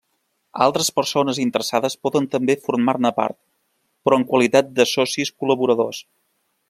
Altres persones interessades poden també formar-ne part, però en qualitat de socis col·laboradors.